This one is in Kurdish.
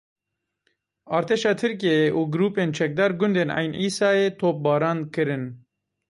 Artêşa Tirkiyeyê û grûpên çekdar gundên Eyn Îsayê topbaran kirin.